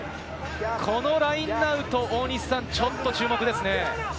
このラインアウト、大西さん、ちょっと注目ですね。